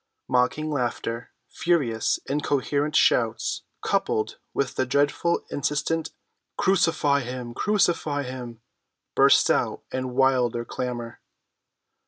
Mocking laughter, furious incoherent shouts, coupled with the dreadful, insistent, "Crucify him! Crucify him!" burst out in wilder clamor.